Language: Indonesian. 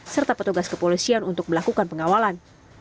serta petugas kepolisian untuk melakukan pengawalan